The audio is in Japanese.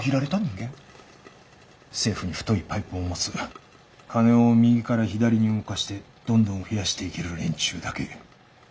政府に太いパイプを持つ金を右から左に動かしてどんどん増やしていける連中だけ。